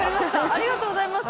ありがとうございます！